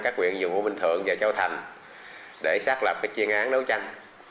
các huyện dùm u minh thượng và châu thành để xác lập cái chuyên án đấu tranh